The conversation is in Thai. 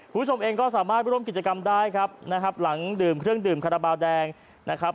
คุณผู้ชมเองก็สามารถร่วมกิจกรรมได้ครับนะครับหลังดื่มเครื่องดื่มคาราบาลแดงนะครับ